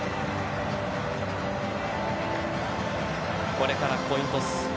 これからコイントス。